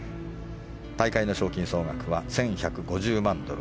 大会の賞金総額は１１５０万ドル